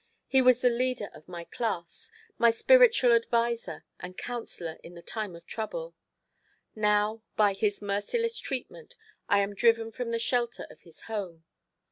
He was the leader of my class, my spiritual adviser and counsellor in the time of trouble. Now, by his merciless treatment, I am driven from the shelter of his home.